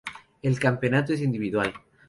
El campeonato es individual.